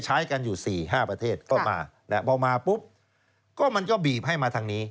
ใช้กันอยู่๔๕ประเทศก็มาพอมาปุ๊บก็มันก็บีบให้มาทางนี้